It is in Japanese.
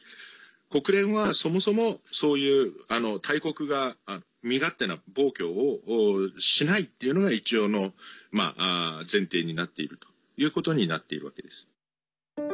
国連はそもそも、そういう大国が身勝手な暴挙をしないというのが一応の前提になっているということになっているわけです。